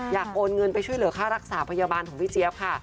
โอนเงินไปช่วยเหลือค่ารักษาพยาบาลของพี่เจี๊ยบค่ะ